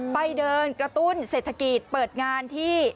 ไปเดินกระตุ้นเศรษฐกิจเปิดงานที่